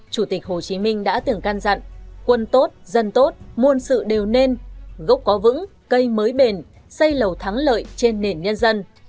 chủ tịch hồ chí minh đã tưởng căn dặn quân tốt dân tốt muôn sự đều nên gốc có vững cây mới bền xây lầu thắng lợi trên nền nhân dân